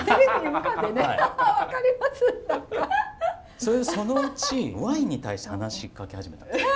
それでそのうちワインに対して話しかけ始めたり。